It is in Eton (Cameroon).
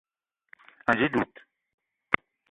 Ànji dud